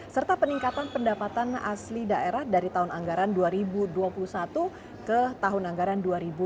serta peningkatan pendapatan asli daerah dari tahun anggaran dua ribu dua puluh satu ke tahun anggaran dua ribu dua puluh